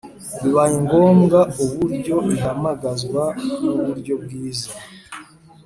bibayengombwa Uburyo ihamagazwa n uburyo bwiza